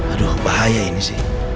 aduh bahaya ini sih